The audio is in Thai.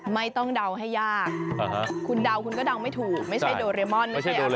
ไม่ต้องเดาให้ยากคุณเดาคุณก็เดาไม่ถูกไม่ใช่โดเรมอนไม่ใช่อะไร